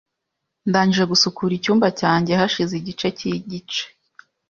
Ndangije gusukura icyumba cyanjye hashize igice cyigice .